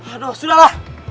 aduh sudah lah